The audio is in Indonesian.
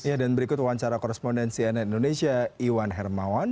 ya dan berikut wawancara korespondensi ann indonesia iwan hermawan